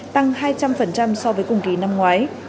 tăng hai trăm linh so với cùng kỳ năm ngoái